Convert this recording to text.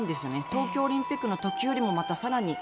東京オリンピックの時よりも更に。